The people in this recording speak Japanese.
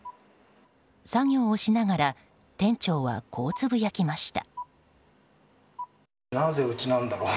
作業をしながら店長はこうつぶやきました。